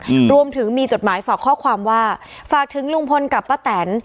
อืมรวมถึงมีจดหมายฝากข้อความว่าฝากถึงลุงพลกับป้าแตน